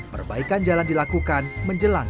perbaikan jalan dilakukan menjelang